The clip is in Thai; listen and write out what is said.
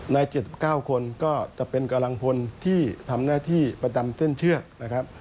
ใน๗๙คนก็จะเป็นกำลังพลที่ทำหน้าที่ประจำเส้นเชือกนะครับ